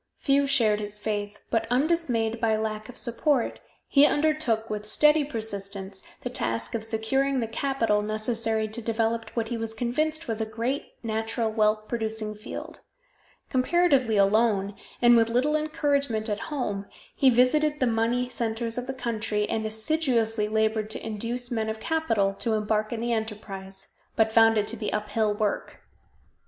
Few shared his faith, but undismayed by lack of support, he undertook, with steady persistence, the task of securing the capital necessary to develop what he was convinced was a great natural wealth producing field. Comparatively alone, and with little encouragement at home, he visited the money centers of the country, and assiduously labored to induce men of capital to embark in the enterprise, but found it to be uphill work.